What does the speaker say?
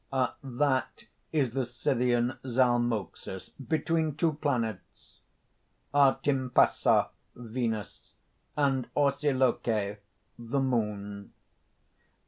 that is the Scythian Zalmoxis between two planets, Artimpasa, Venus, and Orsiloche, the Moon.